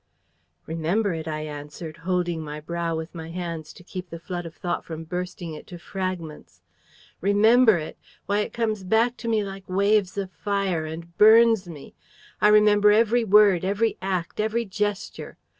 "Remember it!" I answered, holding my brow with my hands to keep the flood of thought from bursting it to fragments. "Remember it! Why, it comes back to me like waves of fire and burns me. I remember every word, every act, every gesture.